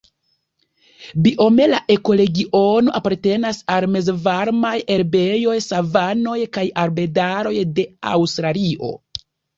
Biome la ekoregiono apartenas al mezvarmaj herbejoj, savanoj kaj arbedaroj de Aŭstralio.